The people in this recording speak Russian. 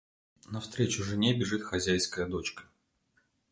Навстречу жене бежит хозяйская дочка.